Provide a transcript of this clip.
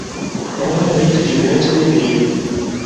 É um momento de grande alegria